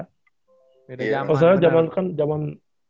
kalau saya jaman kan jaman